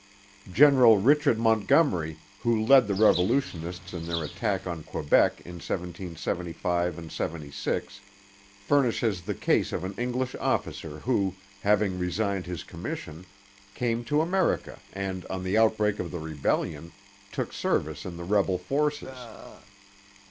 General Richard Montgomery, who led the revolutionists in their attack on Quebec in 1775 76, furnishes the case of an English officer who, having resigned his commission, came to America and, on the outbreak of the rebellion, took service in the rebel forces.